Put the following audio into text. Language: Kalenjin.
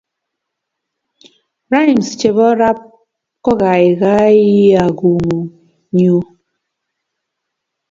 rhymes chepo rap kokaikaiiakungut nyuu